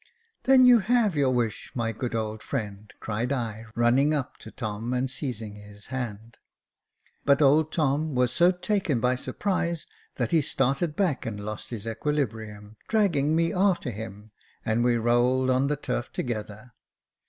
" Then you have your wish, my good old friend," cried I, running up to Tom, and seizing his hand. But old Tom was so taken by surprise that he started back and lost his equilibrium, dragging me after him, and we rolled on the turf together.